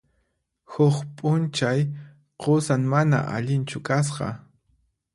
Huk p'unchay qusan mana allinchu kasqa.